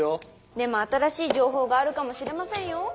でも新しい情報があるかもしれませんよ。